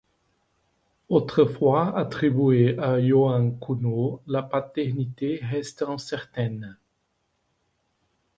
Autrefois attribuée à Johann Kuhnau, la paternité reste incertaine.